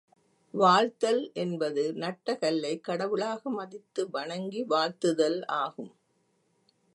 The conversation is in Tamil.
வாழ்த்தல் என்பது, நட்ட கல்லைக் கடவுளாக மதித்து வணங்கி வாழ்த்துதல் ஆகும்.